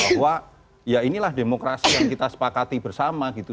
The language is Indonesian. bahwa ya inilah demokrasi yang kita sepakati bersama gitu